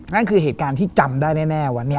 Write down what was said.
นั่นคือเหตุการณ์ที่จำได้แน่วันนี้